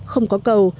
không có cầu